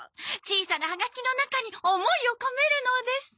小さなはがきの中に思いを込めるのです。